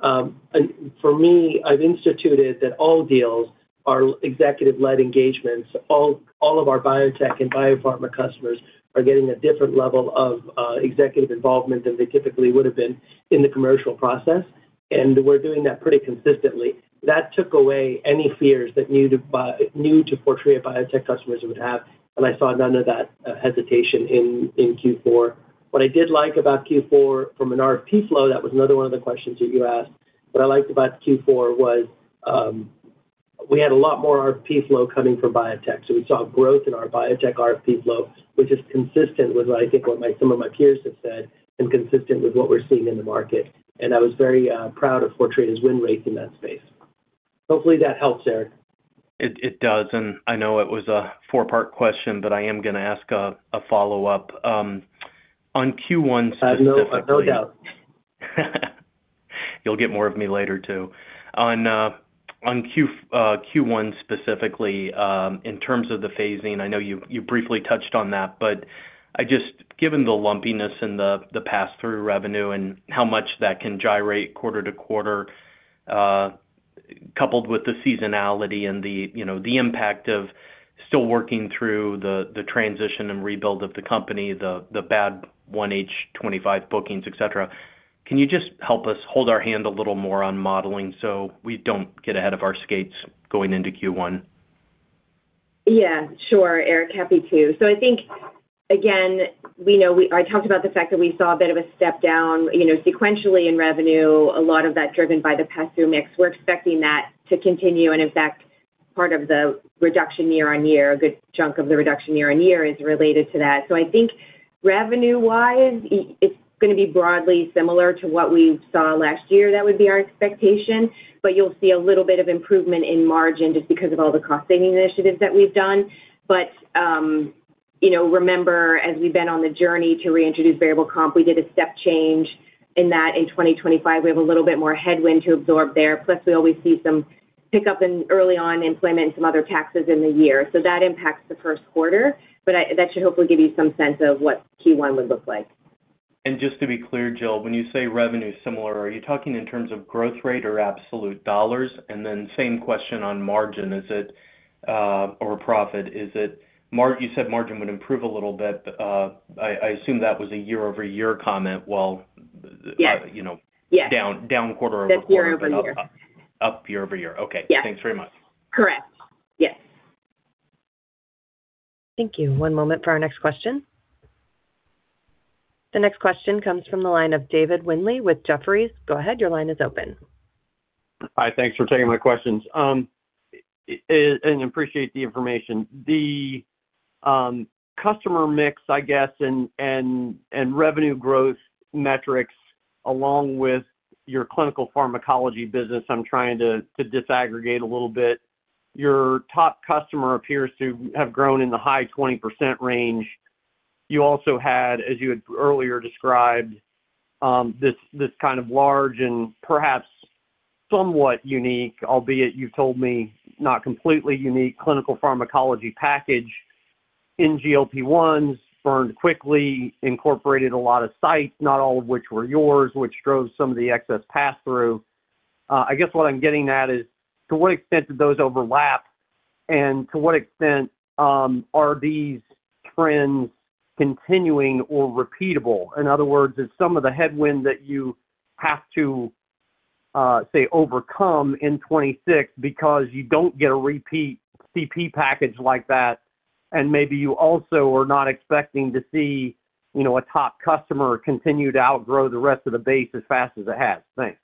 For me, I've instituted that all deals are executive-led engagements. All of our biotech and biopharma customers are getting a different level of executive involvement than they typically would've been in the commercial process, and we're doing that pretty consistently. That took away any fears that new to Fortrea biotech customers would have, and I saw none of that hesitation in Q4. What I did like about Q4 from an RFP flow, that was another one of the questions that you asked. What I liked about Q4 was, We had a lot more RFP flow coming from biotech. We saw growth in our biotech RFP flow, which is consistent with, I think, what my, some of my peers have said, and consistent with what we're seeing in the market. And I was very proud of Fortrea's win rate in that space. Hopefully, that helps, Eric. It does, and I know it was a four-part question, but I am going to ask a follow-up. On Q1 specifically. I have no doubt. You'll get more of me later, too. On Q1 specifically, in terms of the phasing, I know you briefly touched on that, but I just given the lumpiness and the pass-through revenue and how much that can gyrate quarter to quarter, coupled with the seasonality and the, you know, the impact of still working through the transition and rebuild of the company, the bad 1H 2025 bookings, et cetera, can you just help us hold our hand a little more on modeling so we don't get ahead of our skates going into Q1? Yeah, sure, Eric. Happy to. I think, again, I talked about the fact that we saw a bit of a step down, you know, sequentially in revenue, a lot of that driven by the pass-through mix. We're expecting that to continue, and in fact, part of the reduction year-on-year, a good chunk of the reduction year-on-year is related to that. I think revenue-wise, it's going to be broadly similar to what we saw last year. That would be our expectation, you'll see a little bit of improvement in margin just because of all the cost-saving initiatives that we've done. You know, remember, as we've been on the journey to reintroduce variable comp, we did a step change in that in 2025. We have a little bit more headwind to absorb there. We always see some pickup in early on in employment and some other taxes in the year. That impacts the first quarter, but that should hopefully give you some sense of what Q1 would look like. Just to be clear, Jill, when you say revenue similar, are you talking in terms of growth rate or absolute dollars? Same question on margin, is it or profit, you said margin would improve a little bit, I assume that was a year-over-year comment, while-. Yes. You know. Yes Down quarter-over-quarter. That's year-over-year. Up year-over-year. Okay. Yes. Thanks very much. Correct. Yes. Thank you. One moment for our next question. The next question comes from the line of David Windley with Jefferies. Go ahead, your line is open. Hi, thanks for taking my questions. Appreciate the information. The customer mix, I guess, and revenue growth metrics, along with your clinical pharmacology business, I'm trying to disaggregate a little bit. Your top customer appears to have grown in the high 20% range. You also had, as you had earlier described, this kind of large and perhaps somewhat unique, albeit you told me not completely unique, clinical pharmacology package in GLP-1s, burned quickly, incorporated a lot of sites, not all of which were yours, which drove some of the excess pass-through. I guess what I'm getting at is, to what extent do those overlap, and to what extent are these trends continuing or repeatable? In other words, is some of the headwind that you have to, say, overcome in 26 because you don't get a repeat CP package like that, and maybe you also are not expecting to see, you know, a top customer continue to outgrow the rest of the base as fast as it has? Thanks.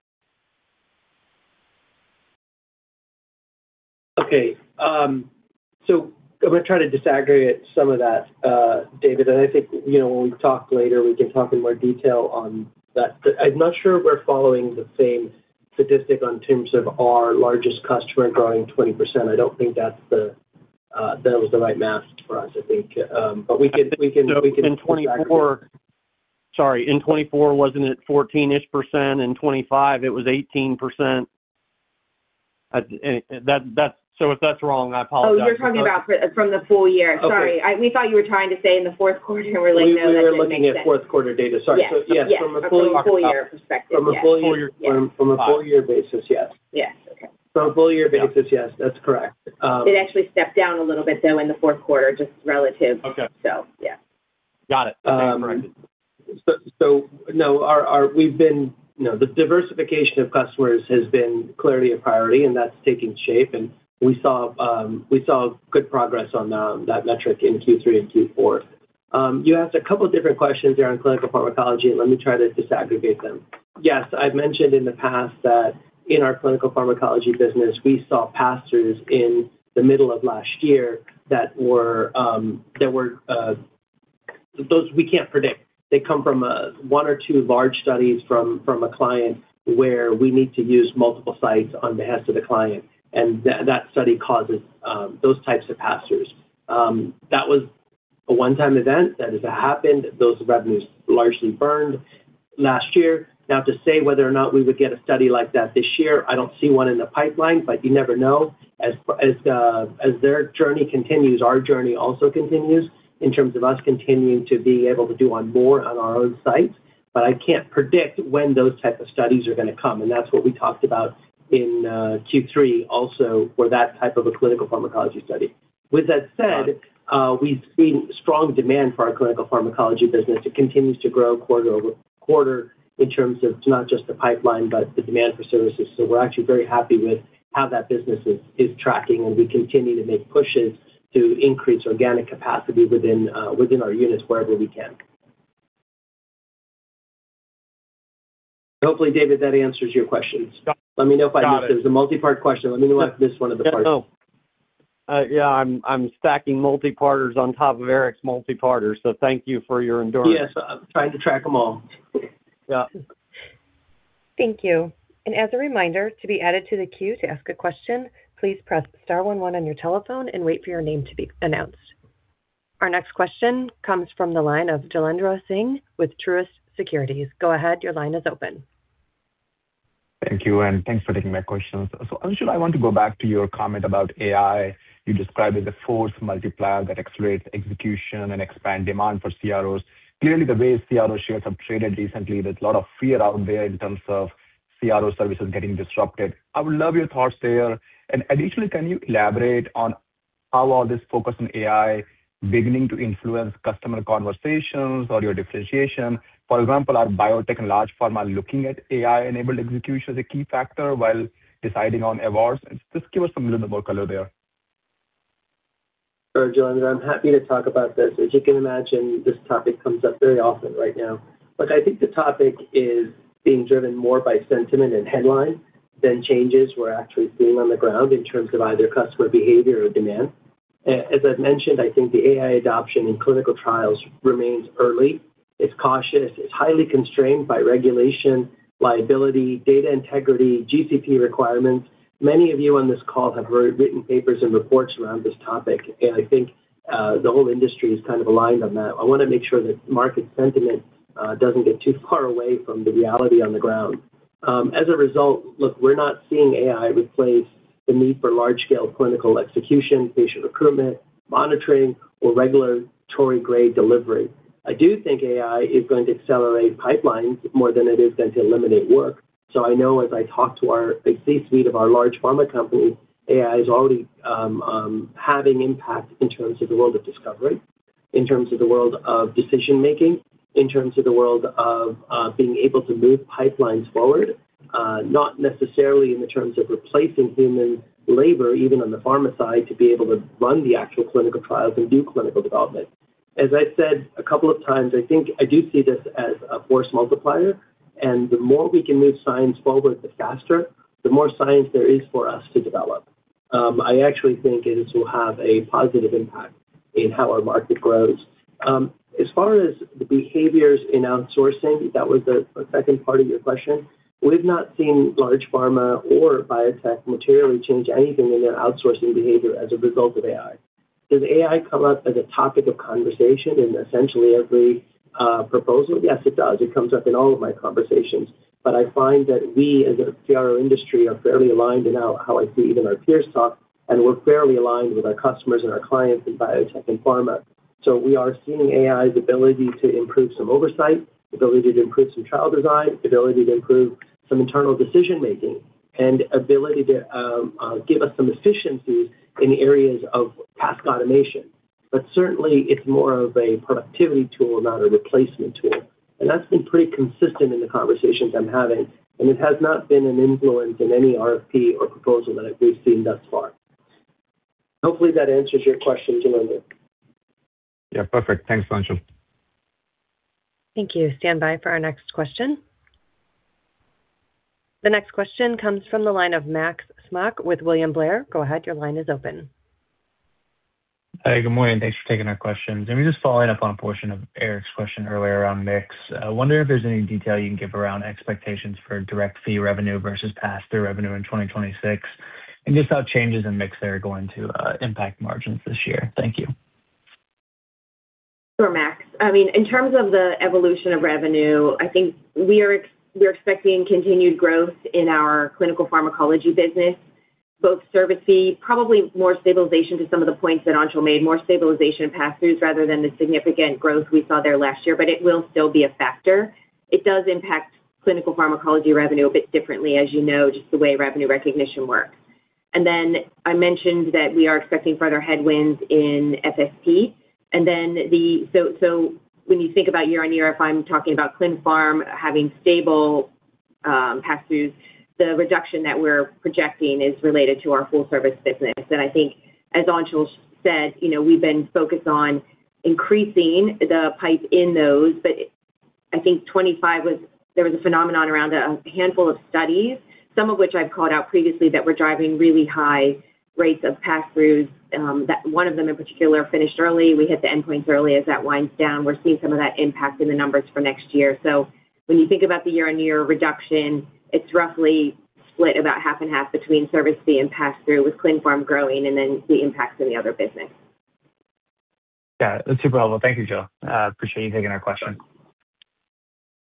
Okay, I'm going to try to disaggregate some of that, David, and I think, you know, when we talk later, we can talk in more detail on that. I'm not sure we're following the same statistic in terms of our largest customer growing 20%. I don't think that's the, that was the right math for us, I think. We can. Sorry, in 2024, wasn't it 14-ish%? In 2025, it was 18%. That so if that's wrong, I apologize. Oh, you're talking about from the full year? Okay. Sorry, we thought you were trying to say in the fourth quarter, and we're like, no, that doesn't make sense. We're looking at fourth quarter data. Sorry. Yes. Yes, from a full. From a full year perspective. From a full year basis, yes. Yes. Okay. From a full year basis, yes, that's correct. It actually stepped down a little bit, though, in the fourth quarter, just relative. Okay. Yeah. Got it. Thanks for the correction. No, we've been, you know, the diversification of customers has been clearly a priority, and that's taking shape, and we saw good progress on that metric in Q3 and Q4. You asked a couple different questions there on clinical pharmacology, and let me try to disaggregate them. Yes, I've mentioned in the past that in our clinical pharmacology business, we saw pass-throughs in the middle of last year that were, those we can't predict. They come from one or two large studies from a client where we need to use multiple sites on behalf of the client, and that study causes those types of pass-throughs. That was a one-time event that has happened. Those revenues largely burned last year. To say whether or not we would get a study like that this year, I don't see one in the pipeline, but you never know. As their journey continues, our journey also continues in terms of us continuing to be able to do on more on our own sites. I can't predict when those type of studies are going to come, and that's what we talked about in Q3 also for that type of a clinical pharmacology study. With that said, we've seen strong demand for our clinical pharmacology business. It continues to grow quarter-over-quarter in terms of not just the pipeline, but the demand for services. We're actually very happy with how that business is tracking, and we continue to make pushes to increase organic capacity within our units wherever we can. Hopefully, David, that answers your questions. Got it. Let me know if I missed. It was a multipart question. Let me know if I missed one of the parts. No. Yeah, I'm stacking multi-parters on top of Eric's multi-parters. Thank you for your endurance. Yes, I'm trying to track them all. Yeah. Thank you. As a reminder, to be added to the queue to ask a question, please press star one one on your telephone and wait for your name to be announced. Our next question comes from the line of Jailendra Singh with Truist Securities. Go ahead, your line is open. Thank you, and thanks for taking my questions. Anshul, I want to go back to your comment about AI. You described it the force multiplier that accelerates execution and expand demand for CROs. Clearly, the way CRO shares have traded recently, there's a lot of fear out there in terms of CRO services getting disrupted. I would love your thoughts there. Additionally, can you elaborate on how all this focus on AI beginning to influence customer conversations or your differentiation? For example, are biotech and large pharma looking at AI-enabled execution as a key factor while deciding on awards? Just give us some little more color there. Sure, Jailendra, I'm happy to talk about this. As you can imagine, this topic comes up very often right now. Look, I think the topic is being driven more by sentiment and headlines than changes we're actually seeing on the ground in terms of either customer behavior or demand. As I've mentioned, I think the AI adoption in clinical trials remains early. It's cautious, it's highly constrained by regulation, liability, data integrity, GCP requirements. Many of you on this call have written papers and reports around this topic, and I think the whole industry is kind of aligned on that. I want to make sure that market sentiment doesn't get too far away from the reality on the ground. As a result, look, we're not seeing AI replace the need for large-scale clinical execution, patient recruitment, monitoring, or regulatory grade delivery. I do think AI is going to accelerate pipelines more than it is going to eliminate work. I know as I talk to our C-suite of our large pharma companies, AI is already having impact in terms of the world of discovery, in terms of the world of decision-making, in terms of the world of being able to move pipelines forward, not necessarily in the terms of replacing human labor, even on the pharma side, to be able to run the actual clinical trials and do clinical development. As I said a couple of times, I think I do see this as a force multiplier. The more we can move science forward, the faster, the more science there is for us to develop. I actually think it will have a positive impact in how our market grows. As far as the behaviors in outsourcing, that was the second part of your question. We've not seen large pharma or biotech materially change anything in their outsourcing behavior as a result of AI. Does AI come up as a topic of conversation in essentially every proposal? Yes, it does. It comes up in all of my conversations, I find that we, as a CRO industry, are fairly aligned in how I see even our peers talk, and we're fairly aligned with our customers and our clients in biotech and pharma. We are seeing AI's ability to improve some oversight, ability to improve some trial design, ability to improve some internal decision-making, and ability to give us some efficiencies in areas of task automation. Certainly, it's more of a productivity tool, not a replacement tool. That's been pretty consistent in the conversations I'm having, and it has not been an influence in any RFP or proposal that I've received thus far. Hopefully, that answers your question, Jailendra. Yeah, perfect. Thanks, Anshul. Thank you. Stand by for our next question. The next question comes from the line of Max Smock with William Blair. Go ahead, your line is open. Hey, good morning, thanks for taking our questions. Let me just following up on a portion of Eric's question earlier around mix. I wonder if there's any detail you can give around expectations for direct fee revenue versus pass-through revenue in 2026, just how changes in mix there are going to impact margins this year. Thank you. Sure, Max. I mean, in terms of the evolution of revenue, I think we're expecting continued growth in our clinical pharmacology business, both service fee, probably more stabilization to some of the points that Anshul made, more stabilization pass-throughs rather than the significant growth we saw there last year, but it will still be a factor. It does impact clinical pharmacology revenue a bit differently, as you know, just the way revenue recognition works. I mentioned that we are expecting further headwinds in FSP. So when you think about year-on-year, if I'm talking about clinical pharmacology having stable pass-throughs, the reduction that we're projecting is related to our full service business. I think as Anshul said, you know, we've been focused on increasing the pipe in those, but I think 25 was there was a phenomenon around a handful of studies, some of which I've called out previously, that were driving really high rates of pass-throughs, that one of them in particular finished early. We hit the endpoint early. As that winds down, we're seeing some of that impact in the numbers for next year. When you think about the year-on-year reduction, it's roughly split about half and half between service fee and pass-through, with clinical pharmacology growing and then the impacts on the other business. Yeah, that's super helpful. Thank you, Jill. I appreciate you taking our question.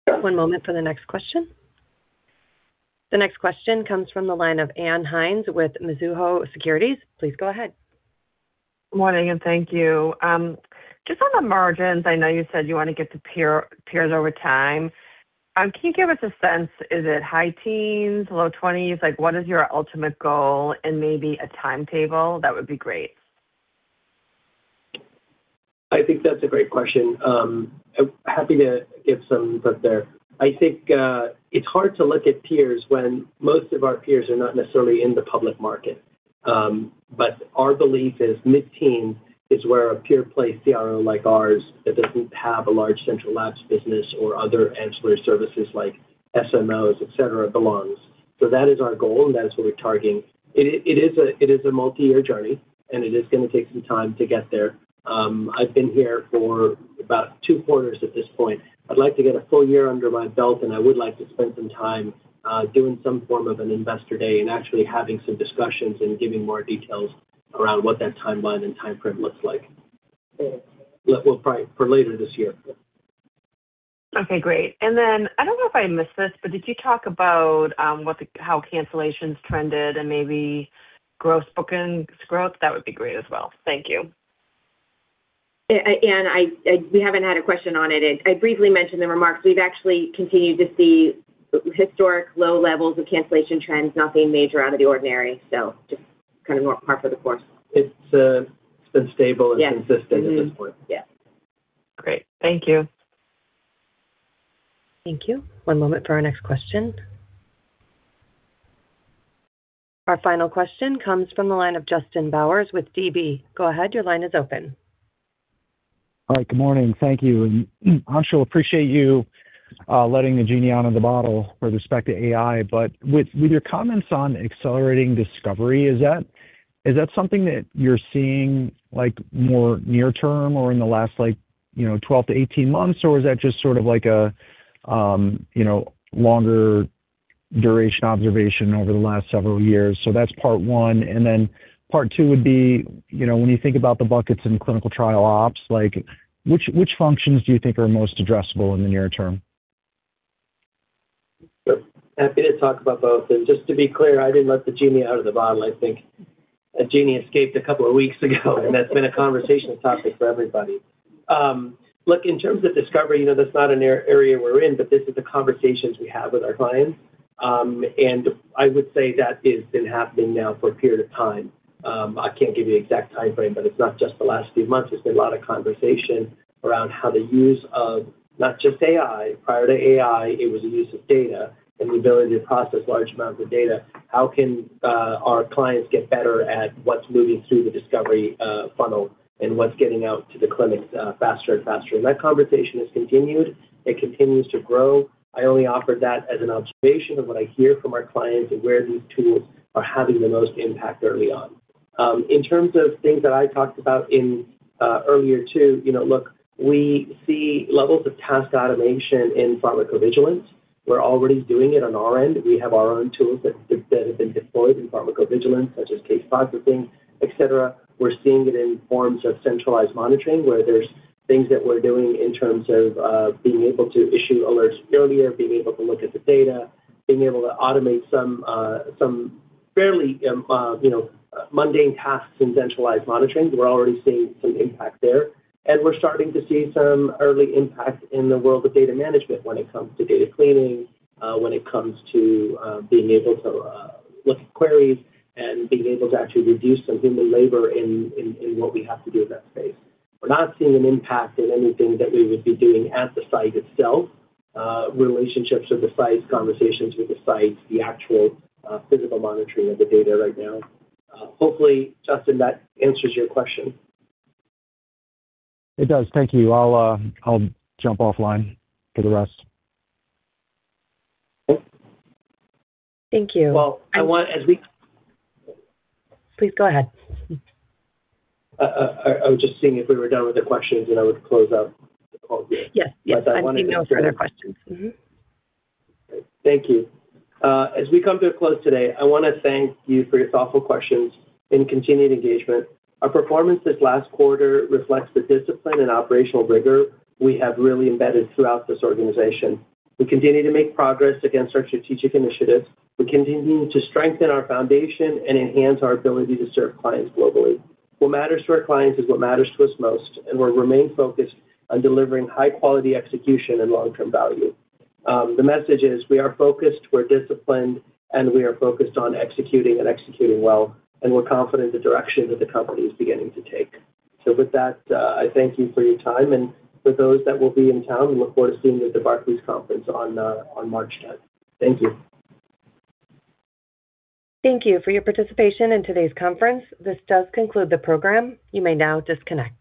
One moment for the next question. The next question comes from the line of Ann Hynes with Mizuho Securities. Please go ahead. Morning. Thank you. Just on the margins, I know you said you want to get to peer, peers over time. Can you give us a sense, is it high teens, low 20s? Like, what is your ultimate goal and maybe a timetable? That would be great. I think that's a great question. Happy to give some input there. I think, it's hard to look at peers when most of our peers are not necessarily in the public market. Our belief is mid-teen is where a pure-play CRO like ours, that doesn't have a large central labs business or other ancillary services like SMOs, et cetera, belongs. That is our goal, and that is what we're targeting. It is a multiyear journey, and it is gonna take some time to get there. I've been here for about two quarters at this point. I'd like to get a full year under my belt, and I would like to spend some time doing some form of an investor day and actually having some discussions and giving more details around what that timeline and time frame looks like. We'll probably for later this year. Okay, great. I don't know if I missed this, but did you talk about how cancellations trended and maybe gross bookings growth? That would be great as well. Thank you. I, we haven't had a question on it. I briefly mentioned the remarks. We've actually continued to see historic low levels of cancellation trends, nothing major out of the ordinary, just kind of par for the course. It's been stable. Yes. Consistent at this point. Yes. Great. Thank you. Thank you. One moment for our next question. Our final question comes from the line of Justin Bowers with DB. Go ahead, your line is open. All right. Good morning. Thank you. Anshul, appreciate you, letting the genie out of the bottle with respect to AI, but with your comments on accelerating discovery, is that something that you're seeing, like, more near term or in the last, like, you know, 12 to 18 months, or is that just sort of like a, you know, longer duration observation over the last several years? That's part one, and then part two would be, you know, when you think about the buckets in clinical trial ops, like, which functions do you think are most addressable in the near term? Yep. Happy to talk about both. Just to be clear, I didn't let the genie out of the bottle. I think a genie escaped a couple of weeks ago, and that's been a conversation topic for everybody. Look, in terms of discovery, you know, that's not an area we're in, but this is the conversations we have with our clients. I would say that it's been happening now for a period of time. I can't give you exact time frame, but it's not just the last few months. It's been a lot of conversation around how the use of, not just AI, prior to AI, it was the use of data and the ability to process large amounts of data. How can our clients get better at what's moving through the discovery funnel and what's getting out to the clinics faster and faster? That conversation has continued. It continues to grow. I only offered that as an observation of what I hear from our clients and where these tools are having the most impact early on. In terms of things that I talked about in earlier, too, you know, look, we see levels of task automation in pharmacovigilance. We're already doing it on our end. We have our own tools that have been deployed in pharmacovigilance, such as case processing, et cetera. We're seeing it in forms of centralized monitoring, where there's things that we're doing in terms of being able to issue alerts earlier, being able to look at the data, being able to automate some fairly, you know, mundane tasks in centralized monitoring. We're already seeing some impact there. We're starting to see some early impact in the world of data management when it comes to data cleaning, when it comes to being able to look at queries and being able to actually reduce some human labor in what we have to do in that space. We're not seeing an impact in anything that we would be doing at the site itself, relationships with the sites, conversations with the sites, the actual physical monitoring of the data right now. Hopefully, Justin, that answers your question. It does. Thank you. I'll jump offline for the rest. Cool. Thank you. Well, Please go ahead. I was just seeing if we were done with the questions, and I would close out the call. Yes. Yes. I wanted to- I see no further questions. Thank you. As we come to a close today, I wanna thank you for your thoughtful questions and continued engagement. Our performance this last quarter reflects the discipline and operational rigor we have really embedded throughout this organization. We continue to make progress against our strategic initiatives. We continue to strengthen our foundation and enhance our ability to serve clients globally. What matters to our clients is what matters to us most, and we'll remain focused on delivering high-quality execution and long-term value. The message is, we are focused, we're disciplined, and we are focused on executing and executing well, and we're confident in the direction that the company is beginning to take. With that, I thank you for your time, and for those that will be in town, we look forward to seeing you at the Barclays conference on March 10th. Thank you. Thank you for your participation in today's conference. This does conclude the program. You may now disconnect.